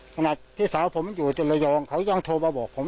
ขณะที่สาวผมอยู่จนระยองเขายังโทรมาบอกผม